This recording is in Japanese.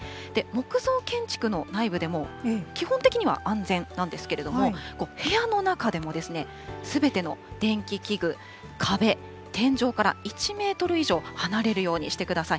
木造建築の内部でも、基本的には安全なんですけれども、部屋の中でもすべての電気器具、壁、天井から１メートル以上離れるようにしてください。